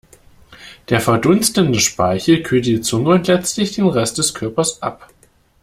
Der verdunstende Speichel kühlt die Zunge und letztlich den Rest des Körpers ab.